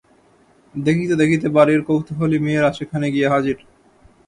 দেখিতে দেখিতে বাড়ির কৌতুহলী মেয়েরা সেখানে গিয়া হাজির।